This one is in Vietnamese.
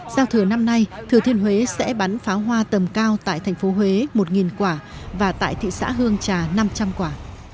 giao thừa năm nay thừa thiên huế sẽ bắn pháo hoa tầm cao tại thành phố huế một quả và tại thị xã hương trà năm trăm linh quả